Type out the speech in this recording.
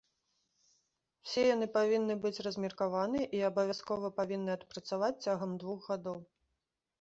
Усе яны павінны быць размеркаваны і абавязкова павінны адпрацаваць цягам двух гадоў.